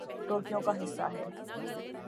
Tokyo کا حصہ ہے